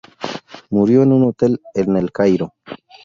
Murió en un hotel en El Cairo.